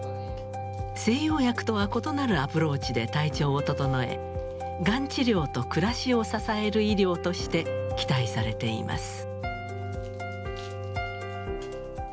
西洋薬とは異なるアプローチで体調を整えがん治療と暮らしを支える医療として期待されています。